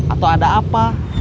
atau ada apa